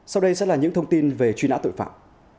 sau đây sẽ là những thông tin về truy nã tội phạm